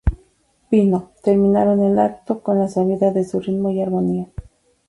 Pino, terminaron el acto, con la suavidad de su ritmo y armonía.